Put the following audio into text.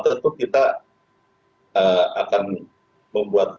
tentu kita akan membuat